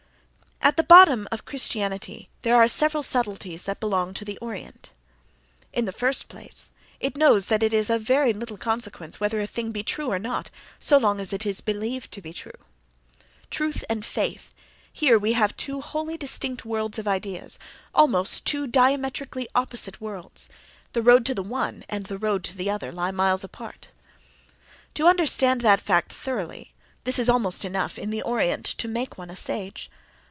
— At the bottom of Christianity there are several subtleties that belong to the Orient. In the first place, it knows that it is of very little consequence whether a thing be true or not, so long as it is believed to be true. Truth and faith: here we have two wholly distinct worlds of ideas, almost two diametrically opposite worlds—the road to the one and the road to the other lie miles apart. To understand that fact thoroughly—this is almost enough, in the Orient, to make one a sage.